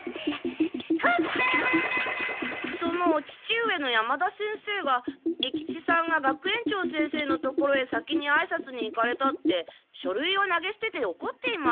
そのお父上の山田先生が利吉さんが学園長先生のところへ先にあいさつに行かれたって書類を投げすてておこっていました。